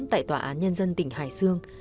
tại tòa án nhân dân tỉnh hải sương